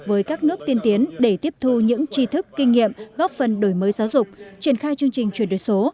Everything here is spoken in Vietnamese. với các nước tiên tiến để tiếp thu những tri thức kinh nghiệm góp phần đổi mới giáo dục triển khai chương trình chuyển đổi số